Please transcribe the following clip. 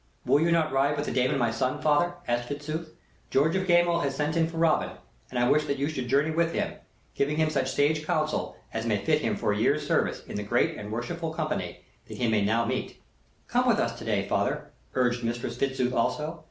"Will you not ride with the dame and my son, father?" asked Fitzooth. "George of Gamewell has sent in for Robin, and I wish that you should journey with him, giving him such sage counsel as may fit him for a year's service in the great and worshipful company that he now may meet." "Come with us to day, father," urged Mistress Fitzooth also.